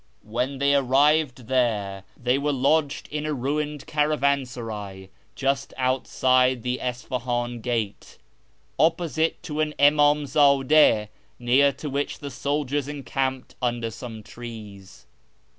When they arrived there they were lodged in a ruined caravansaray just outside the Isfahan gate, opposite to an imdmzdfU, near to which the soldiers encamped under some trees.